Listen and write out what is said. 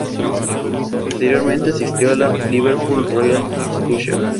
Posteriormente, asistió a la Liverpool Royal Institution.